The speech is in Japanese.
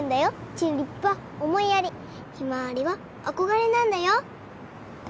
チューリップは「思いやり」ひまわりは「憧れ」なんだよ。